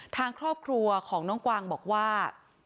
ทางครอบครัวของน้องกวางบอกว่า